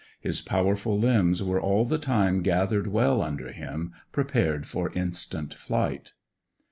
His powerful limbs were all the time gathered well under him, prepared for instant flight.